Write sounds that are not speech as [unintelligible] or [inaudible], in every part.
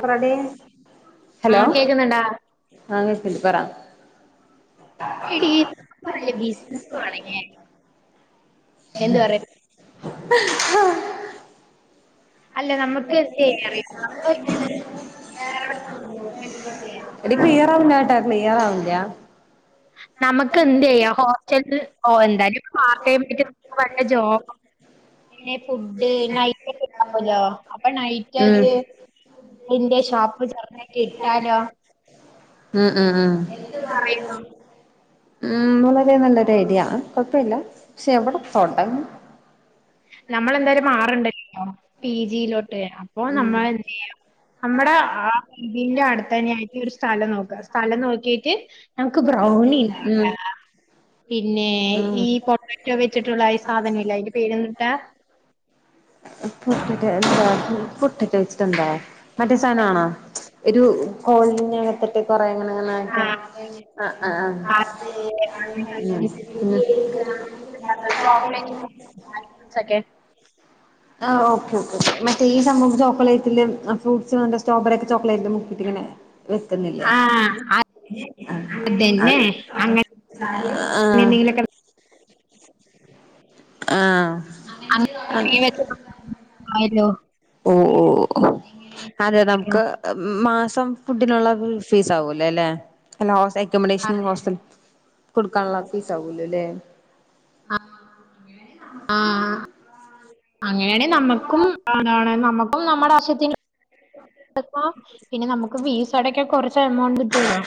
ക്രടി hello ആഹ് കേക്കുന്നുണ്ടാ ആ കേക്കണ്ട് പറ എടീ [unintelligible] എന്ത് പറയാ ആ അല്ല [unintelligible] നമുക്ക് എന്ത് ചെയ്യാ അറിയോ നമുക്ക് എല്ലാരോടും [unintelligible] ഇപ്പൊ എടി നം- ക്ലിയറാവുല്ലാട്ടോ ക്ലിയറാവുല്ല നമുക്ക് എന്ത് ചെയ്യാ ഹോസ്റ്റൽക്ക് പോവന്തായാലും പാർടൈം [unintelligible] ജോബ് പിന്നെ ഫുഡ് നൈറ്റൊക്കെണ്ടാവല്ലോ അപ്പൊ നൈറ്റ് ഉം ആയിട്ട് ന്റെ ഷോപ്പ് ചർതായിട്ട് ഇട്ടാലോ ഉ ഉ ഉ പറയുന്നു. ഉം വളരെ നല്ലൊരു ഐഡിയാണ് കൊഴപ്പില്ല. പക്ഷെ എവിടെ തൊടങ്ങും? നമ്മളെന്തായാലും മാറണ്ടല്ലോ പീ ജീ ലോട്ട്. അപ്പൊ ഉം നമ്മൾ എന്ത് ചെയ്യും? നമ്മുടെ ആ ഇതിന്റെ അട്ത്തന്നെയായിട്ട് ഒരു സ്ഥലം നോക്ക്കാ. സ്ഥലം നോക്കീറ്റ് നമ്ക്ക് ബ്രൗണി ഉം ഇണ്ടാക്കാ പിന്നേ ഉം ഈ പൊട്ടാറ്റോ വെച്ചിട്ടുള്ള അയ് സാധന ഇല്ലേ? അയ്ന്റെ പേരെന്തൂട്ടാ? ഈഹ് പൊട്ട മറ്റെ എന്താ പൊട്ടറ്റൊ വെച്ചിട്ടെന്താ? മറ്റേ സാധനാണോ? ഒരു കോലിനകത്തിട്ട് കൊറേ ഇങ്ങനെ ഇങ്ങനെ ആക്ക്. ആഹ് അതെയതെ ആഹ് ആഹ് ആഹ്. ഉം ഉം ചോക്ലേറ്റ് [inaudible] ക്കെ ആ ഓക്കെ ഓക്കെ ഓക്കെ. മറ്റെ ഈ സംഭവം ചോക്ലേറ്റില് ഫ്രൂട്ട്സ് സ്ട്രോബെറി ഒക്കെ ചോക്ലേറ്റില് മുക്കീട്ട് ഇങ്ങനെ വെക്കുന്നില്ലേ? ആഹ് അതന്നെ അഹ് അങ്ങനെ ആഹ് എന്തെങ്കിലുമൊക്കെ ആഹ് [inaudible] ആയല്ലോ ഓഹ് ഓഹ് അതെ നമുക്ക് മാസം ഫുഡ്ഡിനുള്ള ഫീസ് ആകുവല്ലോ അല്ലെ? അല്ല അക്കോമഡേഷനും ഹോസ്റ്റൽ കൊടുക്കാനുള്ള ഫീസ് ആകുവല്ലോ അല്ലേ? ആ അങ്ങനെയാണെ നമ്മക്കും ആണാണ്, നമ്മക്കും നമ്മടെ ആവശ്യത്തിന് ഇപ്പോ പിന്നെ നമുക്ക് ഫീസടയ്ക്കാൻ കൊറച്ച് എമൗണ്ട് കിട്ടൂലോ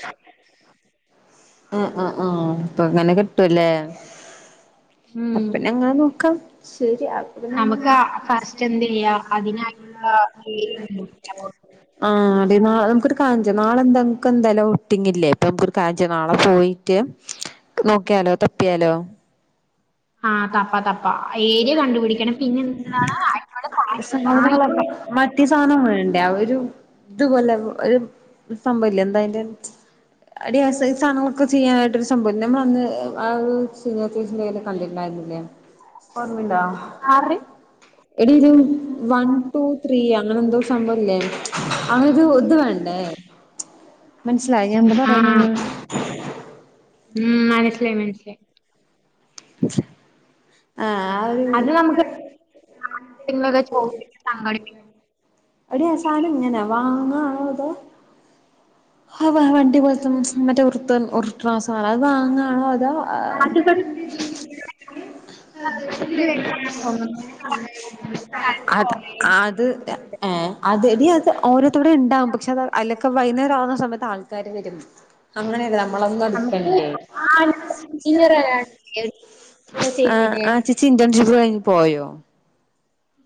ആഹ് ആഹ് ആഹ് ഇപ്പങ്ങനെ കിട്ടുവല്ലേ? ഉം അപ്പിന്നങ്ങനെ നോക്കാം. ശരി നമുക്ക് [unintelligible] ആഹ് [unintelligible] ആഹ് എടി നമുക്കൊരു കാര്യം ചെയ്യാം നാളെന്താ നമുക്കെന്തായാലും ഔട്ടിങ്ങില്ലേ? അപ്പൊ നമുക്കൊരു കാര്യം ചെയ്യാം നാളെ പോയിട്ട് നോക്കിയാലോ തപ്പിയാലോ? ആഹ് തപ്പ തപ്പ ഏരിയ കണ്ടുപിടിക്കണം പിന്നെ എന്താണ് അടിപൊളി സാരി ആഹ് സാധനങ്ങളൊക്കെ മറ്റേ സാധനം വേണ്ടേ ഒരു ഇതുപോലെ ഒരു സംഭവില്ലേ എന്താ അയിന്റെ എടീ ആ സൈസാണോ ക്ക് ചെയ്യാനായിട്ടൊരു സംഭവില്ല. നമ്മളന്ന് ആ ഒരു സീനിയർ ചേച്ചീന്റയ്യില് കണ്ടിട്ട്ണ്ടായിര്ന്നില്ലേ? ഓർമ്മയിണ്ടാ? ഇഫ്താറ് എടീ ഇത് വൺ ടു ത്രീയാ അങ്ങനെ എന്തോ സംഭവില്ലേ? അങ്ങനൊരു ഇത് വേണ്ടേ? മനസ്സിലായോ ഞാ എന്താ ആഹ് പറയണ്ന്ന്‌? ഉം മനസ്സിലായി മനസ്സിലായി. ആഹ് ആ ആഹ്. ഒരു അത് നമ്ക്ക് [unintelligible] ങ്കിലൊക്കെ ചോയിച്ചിട്ട് സംഘടിപ്പി എടീ ആ സാനം എങ്ങനെയാ വാങ്ങുവാണോ അതോ? ആ വണ്ടി പോലത്തെ മറ്റെ ഉരുത്ത ഉരുട്ടണ സാധനം അത് വാങ്ങാ ആഹ് അതാ അത് ഇവിടെ ആഹ് ഇതിന് വേണ്ടിയാണെന്ന് തോന്നുന്നു ഒരു സ്ഥലത്ത് അത കുറവായിരുന്നു ആത് ഏഹ് അത് എടീ അത് അവരൊക്കിവിടെ ഇണ്ടാവും. പക്ഷെ അത് അയിലൊക്കെ വൈകുന്നേരാവ സമയത്ത് ആൾക്കാര് വരും അങ്ങനെയല്ല, നമുക്ക് നമ്മളൊന്നട്ക്കണ്ടേ? ആഹ് ഇപ്പൊ ചെയ്യ്ന്ന് ആഹ് ചേച്ചി ഇന്റേൺഷിപ്പ് കഴിഞ്ഞ് പോയോ?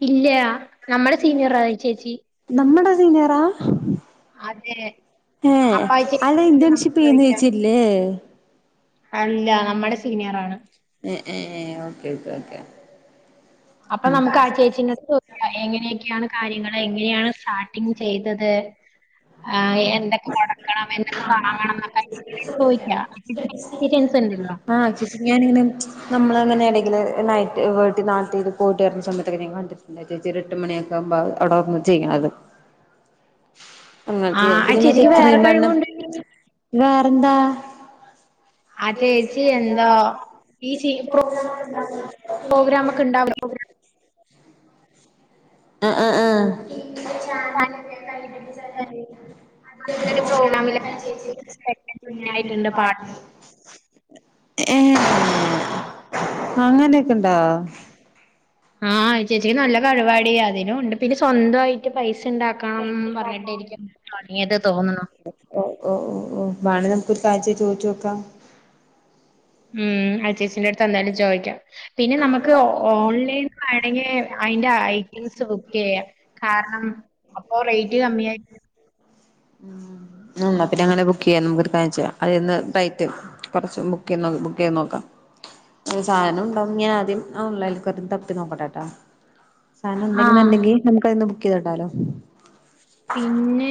ഇല്ലാ. നമ്മടെ സീനിയറാ ഈ ചേച്ചി. നമ്മട സീനിയറാ? അതേ. ഏഹ്? അവിടെ ഇന്റേൺഷിപ്പ് ചെയ്യ്ന്ന ചോദിക്കാം ചേച്ചിയല്ലേ? അല്ല നമ്മടെ സീനിയറാണ്. ഏഹ് ഏഹ് ഓക്കേ ഓക്കേ ഓക്കെ. അപ്പ നമുക്ക് ആ ചേച്ചിന്റടുത്ത് ചോയ്ക്ക എങ്ങനെയൊക്കെയാണ് കാര്യങ്ങള് എങ്ങനെയാണ് സ്റ്റാർട്ടിങ് ചെയ്തത് ആ എ എന്തൊക്കെ കൊടുക്കണം എന്തൊക്കെ വാങ്ങണന്നൊക്കെ ചോദിക്ക എക്സ്പീരിയൻസ് ണ്ടല്ലോ. ആഹ് ചേച്ചി ഞാനിങ്ങനെ, നമ്മളങ്ങനെ ഏടെങ്കില് ആയിട്ട് നാട്ടില് പോയിട്ട് വരുന്ന സമയത്തൊക്കെ ഞൻ കണ്ടി ണ്ടാ ചേച്ചി ഒരു എട്ട് മണിയൊക്കെയാകുമ്പ അവിടെ വന്നു ചെയ്യാലോ ആ അങ്ങനെക്കെ, ആ പിന്നെ മറ്റേ ചേച്ചിക്ക് വേറെ കഴിവുണ്ട് [unintelligible] വേറെന്താ ആ ചേച്ചി എന്താ എന്തോ ഈ [unintelligible] പ്രോഗ്രാം ഒക്കെ ഉണ്ടാവല്ലോ ആ ആ ആ ഒരു പ്രോഗ്രാമിലൊക്കെ ആയിട്ടുണ്ട് പാട്ട് [unintelligible] ഏ അങ്ങനെയൊക്കെണ്ടോ? ആ ഈ ചേച്ചിക്ക് നല്ല കഴിവാടീ അതിനുഉണ്ട് പിന്നെ സ്വന്തായി ക്ക് പൈസ ഉണ്ടാക്കണം പറഞ്ഞിട്ടിരികും തുടങ്ങിയത് തോന്നണു ഓ ഓ ഓ ഓ വേണേ നമുക്ക് കാഴ്ചയ ചോയ്ച്ചു നോക്കാം. മമ് ആ ചേച്ചിന്റടുത്ത് എന്തായാലും ചോദിക്കാ പിന്നെ നമുക്ക് ഓൺലൈനി വേണങ്കി അതിന്റെ ഐറ്റംസ് ബുക്ക് ചെയ്യാം. കാരണം അപ്പൊ റേറ്റ് കമ്മിയായി. ഉം ന്നാ പിന്നെ അങ്ങനെ ബുക്ക് ചെയ്യാ നമുക്കരു കാര്യം ചെയ്യാ അത്ന്ന് റൈറ്റ്.. കൊറച്ച് ബുക്ക് ചെയ്ത്ബുക്ക് ചെയ്ത് നോക്കാം. ഒരു സാധനം ഉണ്ടാവും ഞാ ആദ്യം ഓൺലൈലക്ക തപ്പി നോക്കട്ടെ ട്ടോ. സാനം ആ ഉണ്ടെന്നു ണ്ടെങ്കിൽ നമുക്ക്തിന്ന് ബുക്ക് ചെയ്തിടാലോ.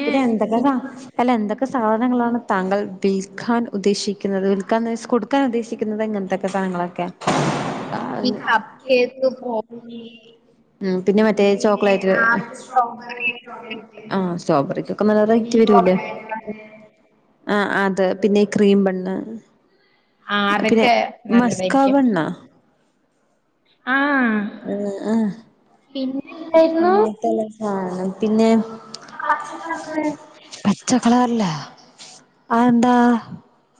പിന്നെ എന്തൊക്കെസാ അല്ല എന്തൊക്കെ സാധനങ്ങളാണ്. താങ്കൾ വിൽക്കാൻ ഉദ്ദേശിക്കുന്നത് വിൽക്കാൻ എന്നത് കൊടുക്കാൻ ഉദ്ദേശിക്കുന്നത് ഇങ്ങനത്തെൊക്കെ സ്ഥലങ്ങളൊക്കെ. ഈ കപ്പ് കേക്ക് ആഹ് പിന്നെ മ മറ്റേ ചോക്ലേറ്റ് ആ സ്ട്രോബെറിക്കൊക്കെ നല്ല റൈറ്റി വരൂല്ലേ. ആ ആ അത് പിന്നെ ക്രീം ബന്ന് ആ അതൊക്കെ മസ്കാ നല്ലതായിരിക്കും. ആ [unintelligible] പിന്നെ എന്തായിരുന്നു ആഹ [unintelligible] പിന്നെ അത്? ചക്ളർല്ല ആയെന്താ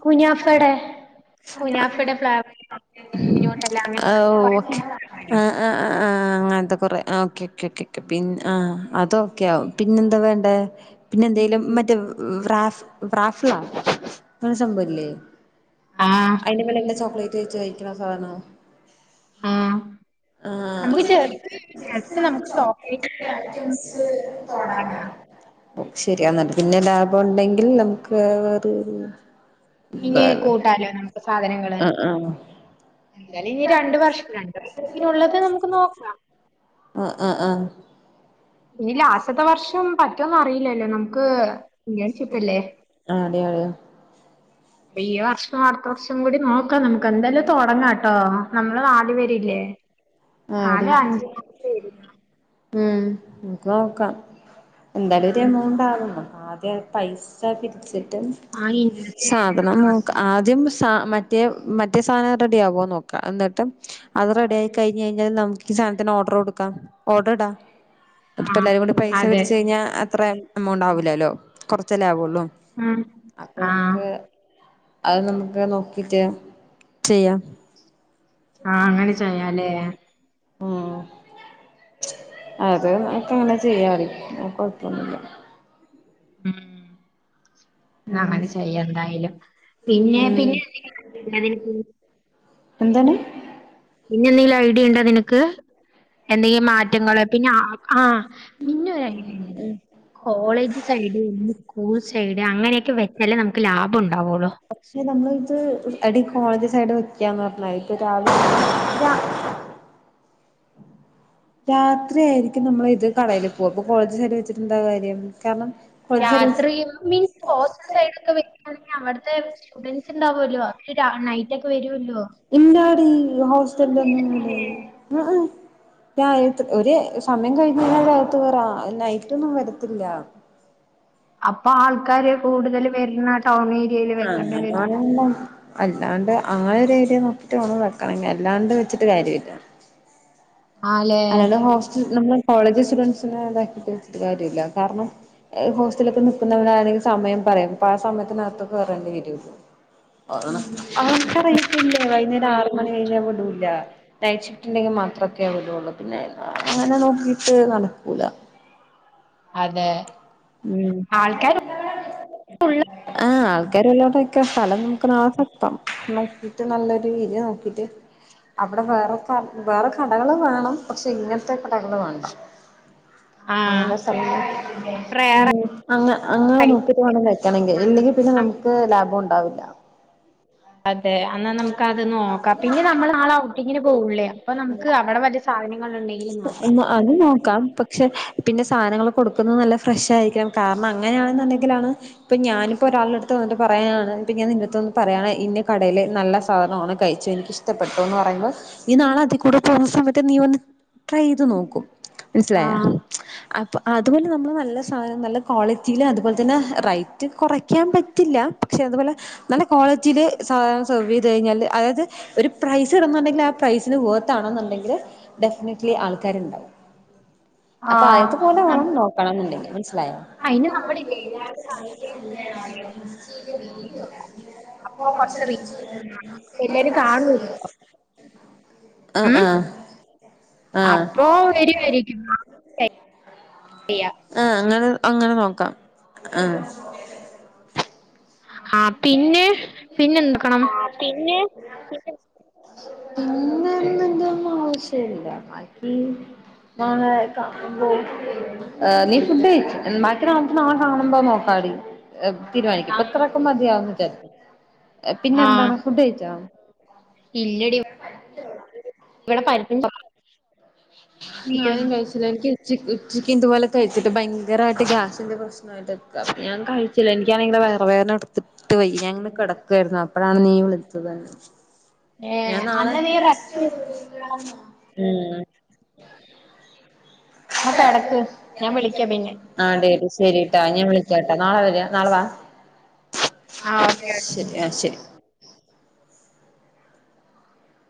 കുനാഫടെ കുനാഫുടെ ഫ്ലവേ അട്ടല്ല. [unintelligible] അ ആ അങ്ങനത്തെ കുറേ ഓക്കെ ക്കെ ക്കെ. പിന്ന ആ അതൊക്കെ ആവും പിന്നെ എന്താ വേണ്ടേ. പിന്നെ എന്തെലും ഉണ്ടല്ലോ. മറ്റേ റാഫ് ബ്രാഫ്ല അങ്ങനെ ഒരു സംഭവല്ലേ. ആഹ അതിന്റെ മേലെ ചോക്ലേറ്റ് വെച്ച് കഴിക്കണ സാനോ.. ആഹ ആഹ ജസ്റ്റ് നമുക്ക് ചോക്ലേറ്റ് ഐറ്റംസ് തടാന വാങ്ങണം. ശരിയാെന്ന പിന്നെ ലാഭ ഉണ്ടെങ്കിൽ നമുക്ക്. [unintelligible] പിന്നേം വേറെ കൂട്ടാലോ നമുക്ക് സാധനങ്ങള്. ആഹ് ആഹ് ഇ ഇനി രണ്ടവർഷം രണ്ടു വർഷത്തിനുള്ളത് നമുക്ക് നോക്കാം. ആഹ് ആഹ് ആഹ് ഇ ലാസ്റ്റ്ത്തെ വർഷം പറ്റുമോന്നന്ന് അറിയില്ലല്ലോ നമുക്ക് ഇന്റൻഷിപ്പല്ലേയ്. ആ അതെ തെ ഈ വർഷും അടുത്ത വർഷം കൂടി നോക്കാം നമുക്. ക്ക്ന്താലും തുടങ്ങാട്ടോ നമ്മള് നാല് പേരില്ലേ. ആടി പേര് ഉം നക്ക് നോക്കാം എന്തായാലും ഒരു ഉം എമൗണ്ട് ആകുന്നു ആദ്യ പൈസ പിരിച്ചിട്ട്. ആ സാധനം ഇൻട്രസ്റ്റ് നോക്കാ ആദ്യം സ മറ്റേ മറ്റേ സാധനം റെഡി ആകോ നോക്കാം എന്നിട്ട് അത് ആഹ് റെഡി ആയി കയിഞ്യ്ഞ്ഞാൽ നമുക്ക് സധനത്തിന് ഓർഡർ കൊടുക്കാം ഓർഡറിടാം.. അതിപ്പോ എല്ലാരും കൂടി പൈസ അതെ പിരിച്ച് കഴിഞ്ഞാ അത്ര എമൗണ്ട് ആവൂില്ലല്ലോ കുറച്ചല്ലേ ആവുള്ളൂ. ഉം അപ്പൊ ആഹ് നമുക്ക് അത് നമുക്ക് നോക്കിട്ട് ചെയ്യാം. ആഹ് അങ്ങനെ ചെയ്യാലേ ഉം അത് നമ്ക്ക അങ്ങനെ ചെയ്യാറി അത് കൊഴപ്പൊന്നില്ല ഉം ഉം അങ്ങനെ ചെയ്യാ എന്തായാലും പിന്നെ ഉം പിന്നെ [unintelligible] എന്താണ് പിന്നെ എന്തെങ്കിലും ഐഡിയണ്ടോ നിനക്ക് എന്തെങ്കിലും മാറ്റങ്ങള്പിന്ന ആ ആഹ് പിന്നെ ഒരു ഐഡിണ്ട് ഉം കോളേജ് സൈഡ് വല്ല സ്കൂൾ സൈഡ് അങ്ങനെ. വെച്ചാലെ നമുക്ക് ലാഭം ഉണ്ടാവുള്ളൂ പക്ഷെ നമ്മളിത് എടി കോളേജ് സൈഡ് വെക്കാന്ന് പറ രാവിലെ രാത്രി ആായിരിക്കും നമ്മൾ ഇത് കളല്‌പ്പൊ അപ്പൊ കോളേജ് സൈഡില് വെച്ചിട്ട് എന്താ കാര്യം കാരണം കോളേജ് സൈഡ് വെച്ച് യാത്രയും മീൻസ് ഹോസ്റ്റൽസൈഡൊക്കെ വെക്കാണെ പിന്നെ അവിടുത്തെ സ്റ്റുഡന്റ്സ് ഉണ്ടാവുമല്ലോ അവര് രാ നൈറ്റ് ഒക്കെ വരൂല്ലോ. ഇല്ലാടി ഹോസ്റ്റൽന്നും ഉം, ഉം രായത്ത് ഒര്സമയം കഴിഞ് കഴിഞ്ഞാൽ അവരാകത്ത് കേറും നൈറ്റൊന്നും വരത്തില്ല. അപ്പൊ ആൾക്കാര് കൂടുതല് വര്ണ ടൗണേരിയയില് വെക്കേണ്ടിവെരും അല്ലഹ് അല്ലാണ്ട് ആ ഒരേരിയ നോക്കിട്ട് വണം വെക്കണെങ്കി അല്ലാണ്ട് വെച്ചിട്ട് കാര്യല്ല ആല്ലേ അല്ലാണ്ട് ഹോസ്റ്റല് നമ്മളെ കോളേജ് സ്റ്റുഡൻസിന് ഇതാക്കിട്ട് വെച്ചിട്ട്കാര്യല്ല കാരണം ഹൊസ്റ്റ ത്തിലൊക്കെ ന്ക്ന്നവരാരേലും സമയം പറെം അപ്പൊ ആ സമേത്തിനകത്ത് കേറേണ്ടിവരും ഒല് ആരാണ് അവക്കറയിത്തില്ലേ വൈന്നേരം ആറ്മണി കയിഞ്ഞ വിടൂല്ല.. തയ്ച്ചിട്ടുണ്ടെങ്കി മാത്രക്കേ വീടോള്ളൂ പിന്നെ അ അങ്ങനെ നോക്കിട്ട് നടക്കൂല അതെ.. ഉം ഉള്ള് ആഹ് ആൾക്കാരെ വല്ലോംണ്ടോക്ക സ്ഥലം നമ്മക് സം നോക്കിറ്റ് നല്ലൊരു രീ നോക്കിറ്റ് അവ്ടെ വേറെ ക വേറെ കടകള് വേണം, പക്ഷെ ഇങ്ങൻത്തെ കടകള് വേണ്ട [unintelligible] [unintelligible] അ അങ്ങനെ നോക്കിട്ട് വേണം കഴറ്റ ണേങ്കി ഇല്ലെങ്കി പിന്നെ ന്നമക് ലാബോ ണ്ടാവില്ല [unintelligible] അതെ എന്നാനമക്ക് അത് നോക്കാ, പിന്നെ നമ്മള് നളെ ഔട്ടിങ്ങിന് പോകള്ളേ അപ്പൊ നമക്ക് അവടെ വല സാധനങ്ങള് ന്ന അത് നോകാം, പക്ഷെ പിന്നെ സാധനങ്ങള് കൊടുക്ന്നത് നല്ല ഫ്രഷാ യിരിക്കണം കാരണം അങ്ങനെയാണെന്നുണ്ടെങ്കിലാണ് പ്പൊ ഞാനിപ്പോ ഒരാളെട്ത് വന്നിട്ട് പറയാണ് ന്നിട്ട് ഞൻ നിന്റെറടുത്ത് വന്ന് പ പറയാണ് ഇന്റെ കടേല് നല്ല സാധനാണ് കഴിച്ചു എനിക്കിഷ്ടപ്പെട്ടു ന്ന് പറയുന്നത് നീ നാളെ അതി കൂടെ പോന്ന സമേത്ത് നീ വന്ന് ട്രൈയ്ത് നോക്കു മൻസ്സിലായാ ആഹ് അപ്പോ അത്പോലെ നമ്മള് നല്ല സാധന നല്ല ക്വാളിറ്റില് അതുപോലെതന്നെ റൈ കൊറക്യാൻ പറ്റില്ല പക്ഷെ അതുപൊലെ നല്ല ക്വാളിറ്റില് സാധാനങ്ങൾ സെർവീത് കഴിഞ്ഞാല് അയത് ഒരു പ്രൈസ് ഇട്നെണ്ടെങ്കില് ആ പ്രൈസിന് വേർത്താണെന്ണ്ടെങ്കില് റ്റ്ല് ആള്ക്കാര്ണ്ടാവും അപ്പൊ ആഹ് അയത്പൊലെ വേണ നമ്മ നോക്കണംന്ണ്ടെങ്കിൽ മൻസ്സിലായോ [unintelligible] അയിന് നമ്മുടെ അപ്പൊ കൊറച്ച് എല്ലാരും കാണും [unintelligible] ആഹ് ആഹ് ആഹ് അപ്പോ വെരി വെരി [unintelligible] ആഹ് അങ്ങന അങ്ങനെ നോക്കാം ആഹ് ഹാ പിന്നെ പിന്നെ എന്ത്ക്കണം പിന്നെ പിന്ന അതിന്റെ ഇതൊന്നും ആവശ്യില്ല [unintelligible] നീ ഫുഡ് കയിച്ച ബാക്കി നമുക്ക് നാളെ കാണുമ്പോ നോക്കാടി തീരുമാനിക്കാം ഇപ്പ ഇത്രക്ക മതി [unintelligible] പിന്നെ എന്താണ് ഫുഡ് കഴിച്ചോ ഇല്ലെടി ഉം പറ്റൊ ളൂ ഇവിടെ പരിപ്പും കൊറവ ന്നാരും കയിച്ചില്ല ഇൻക്ക് ഉച്ചക്ക് ഉച്ചക്ക് ഇതുപോലെ കഴിച്ചില്ലെ ഭയങ്കരായിട്ട് ഗ്യാസിന്റെ പ്രശ്ന പത്ക്ക ഞാൻഴിച്ചില്ല എനിക്കാണെങ്കി ഇങ്ങന വയറുവേദന ത്തിട്ടു വയ്യാ കെടക്കായിരുന്നു അപ്പഴാണ് നീ വിളിച്ചത് ഞാൻ ഏഹ് നാളെ അന്നാ നീ റെസ്റ്റ് എടു ഉം എന്നാ കെടക്ക് ഞാൻ വിളിക്കാ പിന്നെ ആടി ശരിട്ടാ ഞാ വിളിക്കാട്ടാ നാളെ വരാ നാളെ വാ ആഹ് ഓക്കെ ഓകെ ഓക്കെ ശരി ആ ശരി